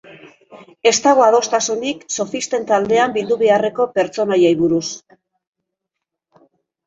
Ez dago adostasunik sofisten taldean bildu beharreko pertsonaiei buruz.